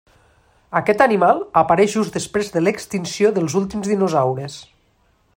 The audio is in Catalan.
Aquest animal apareix just després de l'extinció dels últims dinosaures.